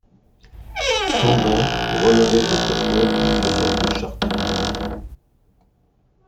Sambin relevait autrefois du diocèse de Chartres.